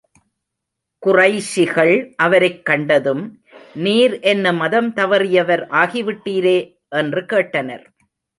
குறைஷிகள் அவரைக் கண்டதும், நீர் என்ன மதம் தவறியவர் ஆகிவிட்டீரே? என்று கேட்டனர்.